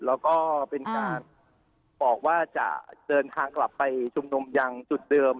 แล้วก็เป็นการบอกว่าจะเดินทางกลับไปชุมนุมยังจุดเดิม